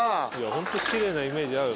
ほんときれいなイメージある。